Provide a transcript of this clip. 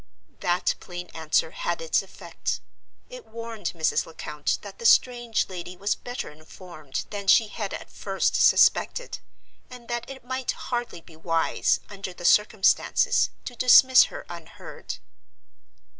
That plain answer had its effect. It warned Mrs. Lecount that the strange lady was better informed than she had at first suspected, and that it might hardly be wise, under the circumstances, to dismiss her unheard.